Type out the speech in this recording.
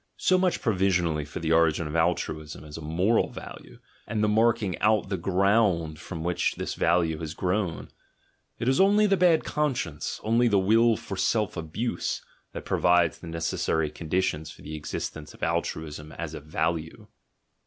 — So much provisionally for the origin of "altru ism" as a moral value, and the marking out the ground from which this value has grown: it is only the bad con science, only the will for self abuse, that provides the nec essary conditions for the existence of altruism as a value.